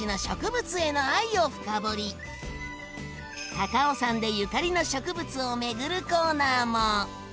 高尾山でゆかりの植物を巡るコーナーも。